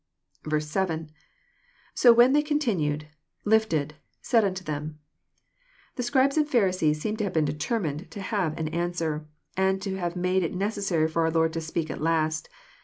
7. — [iSb when they continued.,. lifted., .said unto them,] The Scribes and Pharisees seem to have been determined to have an answer, and to have made it necessary for ourXbrd to speak at last.